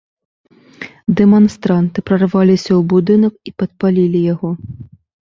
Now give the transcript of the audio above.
Дэманстранты прарваліся ў будынак і падпалілі яго.